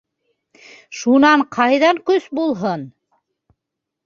Шунан ҡайҙан көс булһын.